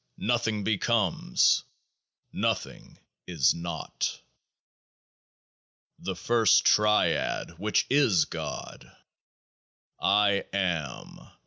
Nothing Becomes. Nothing is not. The First Triad which is GOD I AM.